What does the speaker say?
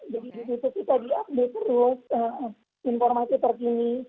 jadi di situ kita di update terus informasi terkini